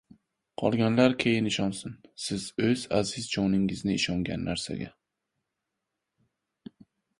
Qolganlar keyin ishonsin, siz oʻz aziz joningizni ishongan narsaga.